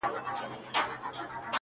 • چي د بل لپاره ورور وژني په تور کي -